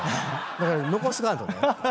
だから残しとかんとね。